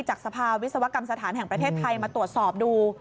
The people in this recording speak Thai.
จากสภาวิศวกรรมสถานแห่งประเทศไทยมาตรวจสอบดู